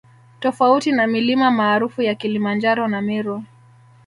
Tofauti na milima maarufu ya Kilimanjaro na Meru